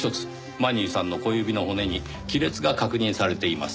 マニーさんの小指の骨に亀裂が確認されています。